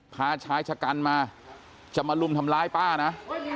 พาชายชะกันมาจะมาลุมทำร้ายป้านะ